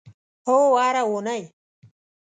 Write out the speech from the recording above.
هو، هره اونۍ